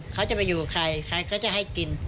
เขาจะไปอยู่กับใครใครเขาจะให้กิน